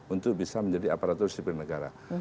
untuk bisa menjadi aparatur sipil negara